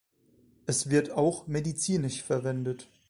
Es wird auch medizinisch verwendet.